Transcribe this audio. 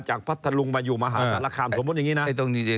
พัทธลุงมาอยู่มหาสารคามสมมุติอย่างนี้นะ